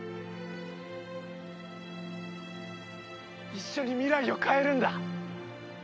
一緒に未来を変えるんだ。